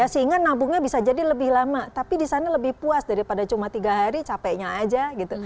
sehingga nabungnya bisa jadi lebih lama tapi di sana lebih puas daripada cuma tiga hari capeknya aja gitu